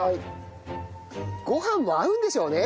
ご飯も合うんでしょうね